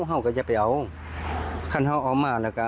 เพราะว่าเค้าทัดคราสแล้ว